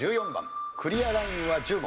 クリアラインは１０問。